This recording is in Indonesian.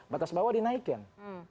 batas bawah dinaikkan